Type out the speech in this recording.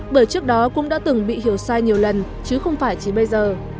bởi trước đó cũng đã từng bị hiểu sai nhiều lần chứ không phải chỉ bây giờ